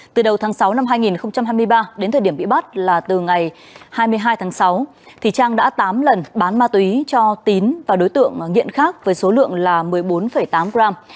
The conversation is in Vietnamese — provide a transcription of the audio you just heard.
từ đầu tháng sáu năm hai nghìn hai mươi ba đến thời điểm bị bắt là từ ngày hai mươi hai tháng sáu trang đã tám lần bán ma túy cho tín và đối tượng nghiện khác với số lượng một mươi bốn tám gram